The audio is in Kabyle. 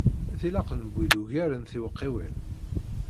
Tilaq newwi-d ugar n tiwekkiwin.